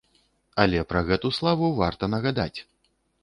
Але пра гэту славу варта нагадаць.